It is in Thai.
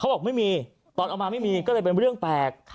บอกไม่มีตอนเอามาไม่มีก็เลยเป็นเรื่องแปลก